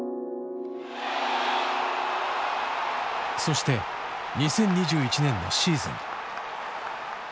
そして２０２１年のシーズン。